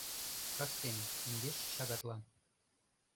— Кастене, индеш шагатлан.